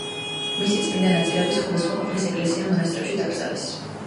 მისი წმინდა ნაწილები სხვადასხვა ქვეყნის ეკლესია-მონასტრებში დაკრძალეს.